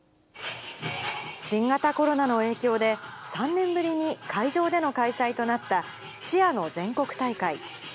新型コロナの影響で、３年ぶりに会場での開催となったチアの全国大会。